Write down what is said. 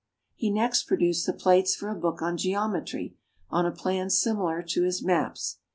He next produced the plates for a book on geometry, on a plan similar to his maps.